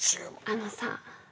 あのさ。